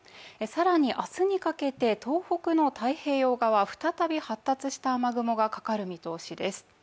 更に明日にかけて東北の太平洋側、再び発達した雨雲がかかる見通しです。